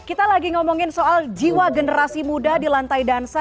kita lagi ngomongin soal jiwa generasi muda di lantai dansa